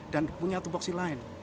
dan punya tubuhksi lain